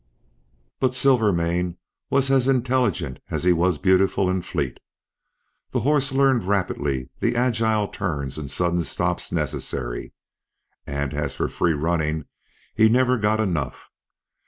But Silvermane was as intelligent as he was beautiful and fleet. The horse learned rapidly the agile turns and sudden stops necessary, and as for free running he never got enough.